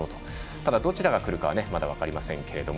ただ、どちらがくるかはまだ分かりませんけれども。